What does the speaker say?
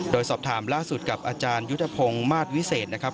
โดยสอบถามล่าสุดกับอาจารยุทธพงศ์มาสวิเศษนะครับ